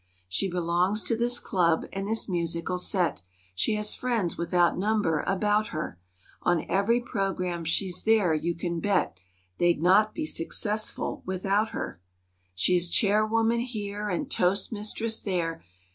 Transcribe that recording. She belongs to this club, and this musical set; She has friends without number about her: On every program, she's there, you can bet— They'd not be successful without her. She is chairwoman here and toastmistress there.